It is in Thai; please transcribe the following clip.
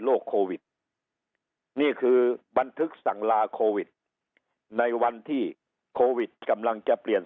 โควิดนี่คือบันทึกสั่งลาโควิดในวันที่โควิดกำลังจะเปลี่ยน